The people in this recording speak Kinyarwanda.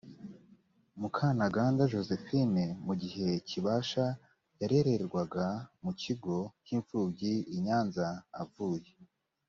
mukantaganda josephine mu gihe kibasha yarererwaga mu kigo cy imfubyi i nyanza avuye